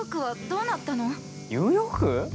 ニューヨーク？